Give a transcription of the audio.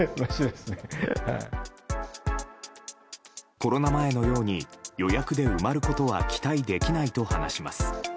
コロナ前のように予約で埋まることは期待できないと話します。